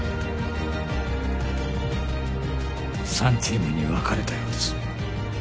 ３チームに分かれたようです